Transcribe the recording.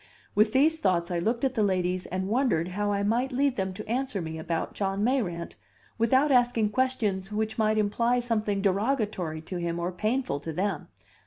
With these thoughts I looked at the ladies and wondered how I might lead them to answer me about John Mayrant, without asking questions which might imply something derogatory to him or painful to them.